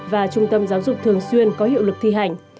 và trung tâm giáo dục thường xuyên có hiệu lực thi hành